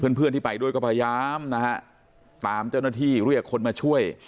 เพื่อนเพื่อนที่ไปด้วยก็พยายามนะฮะตามเจ้าหน้าที่เรียกคนมาช่วย